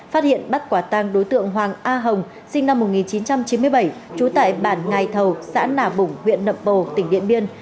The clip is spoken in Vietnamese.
phát hiện bắt quả tang đối tượng hoàng a hồng sinh năm một nghìn chín trăm chín mươi bảy trú tại bản ngài thầu xã nà bủng huyện nậm bồ tỉnh điện biên